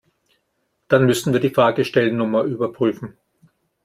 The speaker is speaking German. Dann müssen wir die Fahrgestellnummer überprüfen.